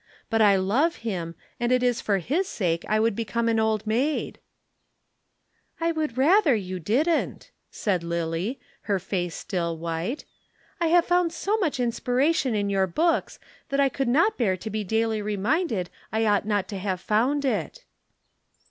But I love him, and it is for his sake I would become an Old Maid." "I would rather you didn't," said Lillie, her face still white. "I have found so much inspiration in your books that I could not bear to be daily reminded I ought not to have found it."